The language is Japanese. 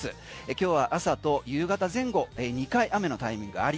今日は朝と夕方前後２回雨のタイミングあり。